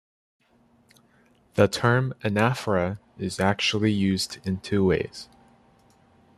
The term "anaphora" is actually used in two ways.